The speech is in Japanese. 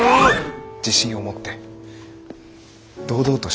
自信を持って堂々としてほしい。